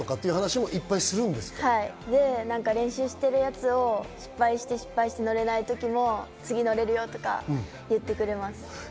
はい、練習してるやつを失敗して乗れない時も次乗れるよとか言ってくれます。